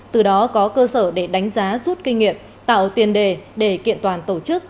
từ đó có cơ sở để đánh giá rút kinh nghiệm tạo tiền đề để kiện toàn tổ chức